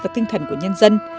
và tinh thần của nhân dân